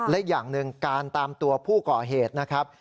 และอย่างหนึ่งการตามตัวผู้ก่อเหตุนะครับ